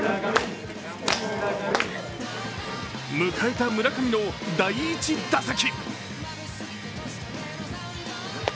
迎えた村上の第１打席。